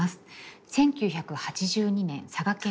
１９８２年佐賀県生まれ。